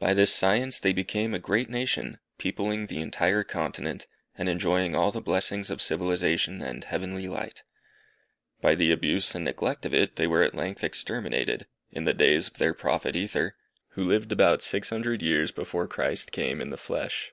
By this science they became a great nation, peopling the entire continent, and enjoying all the blessings of civilization and heavenly light. By the abuse and neglect of it they were at length exterminated, in the days of their Prophet Ether, who lived about six hundred years before Christ came in the flesh.